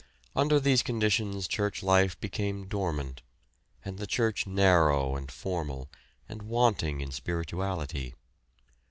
Under these conditions church life became dormant, and the church narrow and formal, and wanting in spirituality.